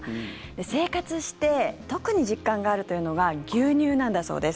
生活して特に実感があるというのが牛乳なんだそうです。